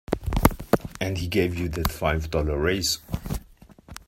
And he gave you that five dollar raise.